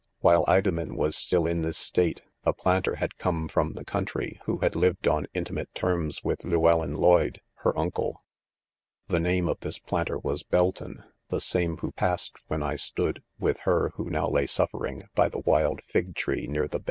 '' "While Idomen was still in this state, a planter had come from the country who had lived on intimate terms with Llewellyn Lloyd ? her uncle, " The name of this planter was Belton — the same who passed when I* stood, with her who now lay suffering, by the wild fig tree near the.